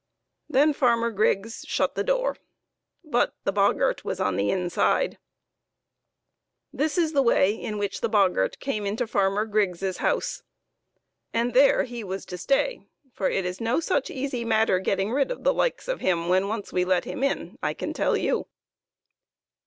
Then Farmer Griggs shut the door, but the boggart was on the inside. This is the way in which the boggart came into Farmer Griggs's house, and there he was to stay, for it is no such easy matter getting rid of the likes of him when we once let him in, I can tell you.